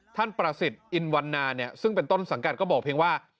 ท่านประศิษฐ์อินวัลนาซึ่งเป็นต้นสังกัดก็บอกเพียงว่า